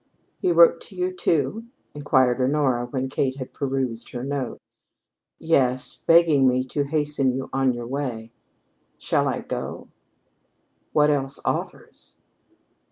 "He wrote to you, too?" inquired Honora when Kate had perused her note. "Yes, begging me to hasten you on your way." "Shall I go?" "What else offers?"